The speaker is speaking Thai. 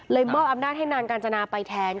เลยเบาอำนาจให้นางกาญจนาไปแท้ง